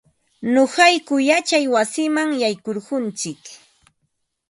Nuqayku yachay wasiman yaykurquntsik.